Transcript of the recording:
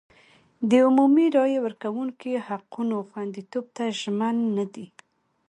د عمومي رایې ورکونې حقونو خوندیتوب ته ژمن نه دی.